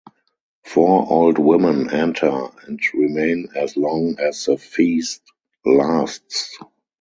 Four old women enter and remain as long as the feast lasts.